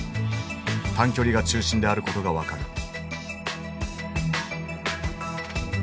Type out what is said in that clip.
短距離が中心であることが分かる。